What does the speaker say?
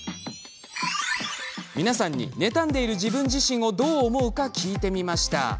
皆さんに、妬んでいる自分自身をどう思うか聞いてみました。